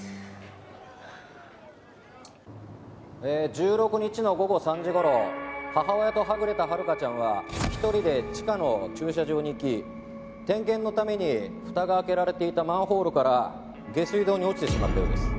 １６日の午後３時頃母親とはぐれた遥香ちゃんは一人で地下の駐車場に行き点検のために蓋が開けられていたマンホールから下水道に落ちてしまったようです。